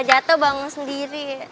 udah bangun sendiri ya